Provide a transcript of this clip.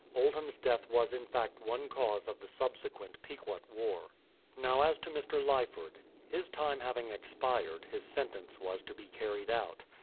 Oldham's death was in fact one cause of the subsequent Pequot war. Now as to Mr. Lyford. His time having expired, his sentence was to be carried out.